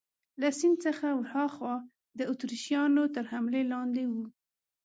له سیند څخه ورهاخوا د اتریشیانو تر حملې لاندې وو.